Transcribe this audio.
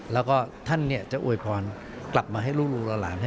แล้วก็ท่านจะอวยพรกลับมาให้ลูกหลาน